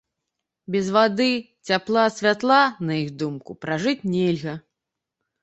Без вады, цяпла, святла, на іх думку, пражыць нельга.